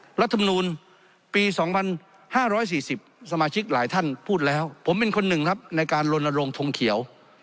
รัฐมนูลปี๒๕๔๐สมาชิกหลายท่านพูดแล้วผมเป็นคนหนึ่งครับในการลนโรงทงเขียว